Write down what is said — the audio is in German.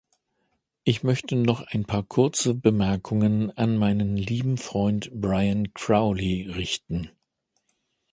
Ich möchte noch ein paar kurze Bemerkungen an meinen lieben Freund Brian Crowley richten.